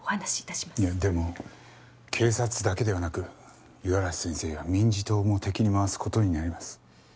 いやでも警察だけではなく五十嵐先生や民事党も敵に回す事になります。